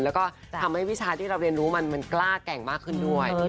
แล้วก็ทำให้วิชาที่เราเรียนรู้มันกล้าแกร่งมากขึ้นด้วย